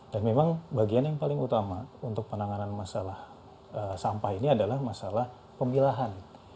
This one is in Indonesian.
dan memang bagian yang paling utama untuk penanganan masalah sampah ini adalah masalah pemilahan